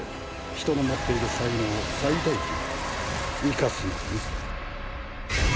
人の持っている才能を最大限生かすのがね。